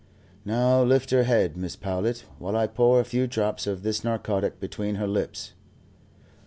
"Now, lift her head, Mrs. Powlett, while I pour a few drops of this narcotic between her lips."